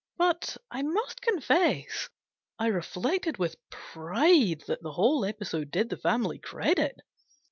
But, I must confess, I reflected with pride that the whole episode did the family credit.